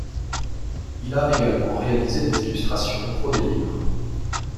Il a également réalisé des illustrations pour des livres.